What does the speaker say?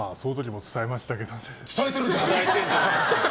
伝えてるじゃん！